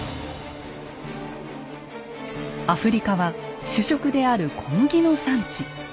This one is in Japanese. アフリカは主食である小麦の産地。